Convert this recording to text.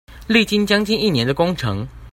歷經將近一年的工程